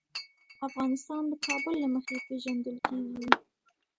افغانستان د کابل له مخې پېژندل کېږي.